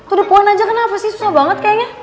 udah puan aja kenapa sih susah banget kayaknya